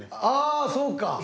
ああそうか。